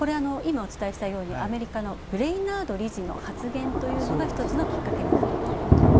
今、お伝えしたようにアメリカのブレイナード理事の発言というのが一つのきっかけになっていると。